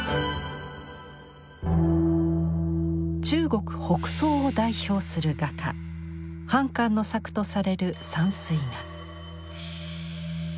中国北宋を代表する画家范寛の作とされる山水画。